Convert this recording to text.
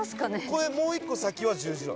これもう１個先は十字路。